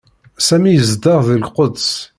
Sami yezdeɣ deg Lquds.